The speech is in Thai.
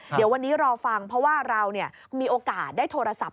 เดี๋ยววันนี้รอฟังเพราะว่าเรามีโอกาสได้โทรศัพท์